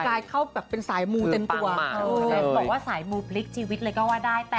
ใครเข้าแบบเป็นสายมูลเป็นตัวแล้วก็สายมูลพลิกชีวิตเราก็ว่าได้